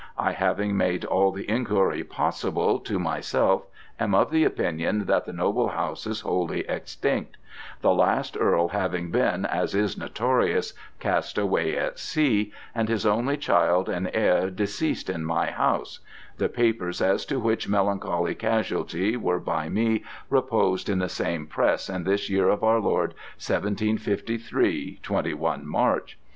I having made all the Enquiry possible to myself am of the opinion that that noble House is wholly extinct: the last Earl having been, as is notorious, cast away at sea, and his only Child and Heire deceas'd in my House (the Papers as to which melancholy Casualty were by me repos'd in the same Press in this year of our Lord 1753, 21 March).